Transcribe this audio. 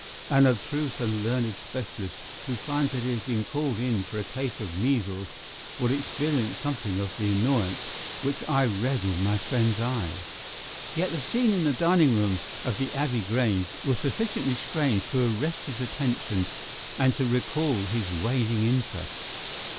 An abstruse and learned specialist who finds that he has been called in for a case of measles would experience something of the annoyance which I read in my friend's eyes. Yet the scene in the dining room of the Abbey Grange was sufficiently strange to arrest his attention and to recall his waning interest.